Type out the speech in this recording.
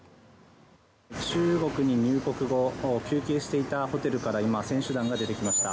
中国に入国後休憩していたホテルから今、選手団が出てきました。